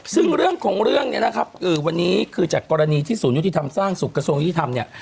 ซึ่งเรื่องของเรื่องเนี่ยนะครับวันนี้คือจากกรณีที่ศูนยุติธรรมสร้างสุขกระทรวงยุติธรรมเนี่ย